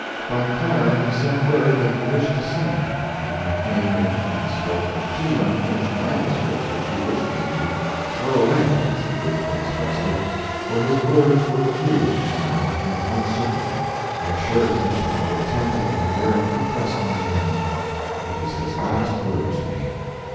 By Clara he sent word that he wished to see me, and when I came in he spoke of two unfinished manuscripts which he wished me to "throw away," as he briefly expressed it, for his words were few, now, and uncertain. I assured him that I would attend to the matter and he pressed my hand. It was his last word to me.